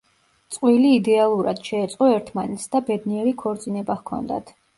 წყვილი იდეალურად შეეწყო ერთმანეთს და ბედნიერი ქორწინება ჰქონდათ.